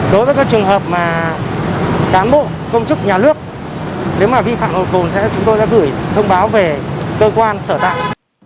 đối với các trường hợp mà cán bộ công chức nhà nước nếu mà vi phạm giao thông sẽ chúng tôi đã gửi thông báo về cơ quan sở tạng